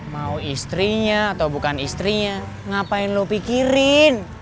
mau istrinya atau bukan istrinya ngapain lo pikirin